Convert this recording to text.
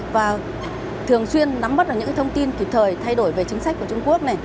và thường xuyên nắm bắt những thông tin kịp thời thay đổi về chính sách của trung quốc